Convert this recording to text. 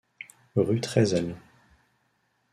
Rue Trezel.